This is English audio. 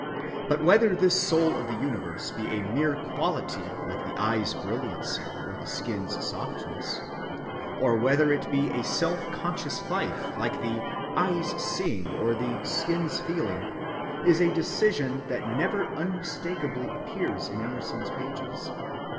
But whether this soul of the universe be a mere quality like the eye's brilliancy or the skin's softness, or whether it be a self‐conscious life like the eye's seeing or the skin's feeling, is a decision that never unmistakably appears in Emerson's pages.